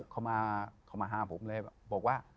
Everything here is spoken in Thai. เขามาห้ามผมเลยบอกว่า